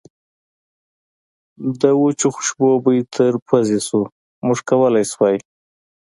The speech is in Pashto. د وچو خوشبو بوی تر پوزې شو، موږ کولای شوای.